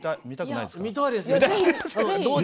見たくないですか？